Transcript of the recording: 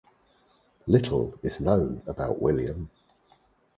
Little is known about William.